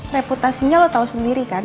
reputasinya lo tahu sendiri kan